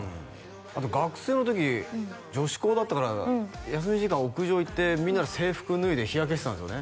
あと学生の時女子校だったから休み時間屋上行ってみんなで制服脱いで日焼けしてたんですよね？